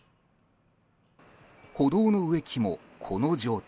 歩道の植木も、この状態。